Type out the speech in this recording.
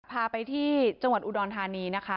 พาไปที่จังหวัดอุดรธานีนะคะ